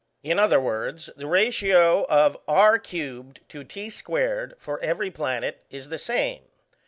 In other words, the ratio of r^3 to T^2 for every planet is the same.